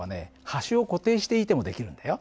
端を固定していても出来るんだよ。